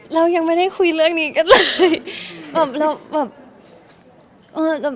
เรายังไม่ได้คุยเรื่องนี้กันเลย